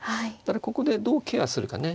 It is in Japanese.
ここでどうケアするかね。